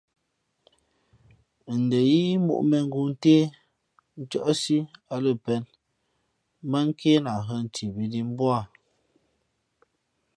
Ndα yíí mōʼ mēngoo ntě, ncάʼsǐ á lα pēn mbát nké lahhᾱ nthimbi nǐ mbū â.